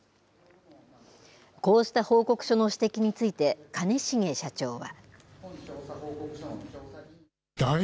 こうした報告書の指摘について、兼重社長は。